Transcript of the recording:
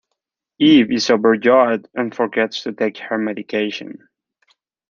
Eve is overjoyed and forgets to take her medication.